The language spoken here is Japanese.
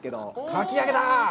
かき揚げだ！